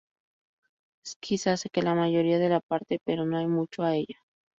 Sykes hace que la mayoría de la parte, pero no hay mucho a ella.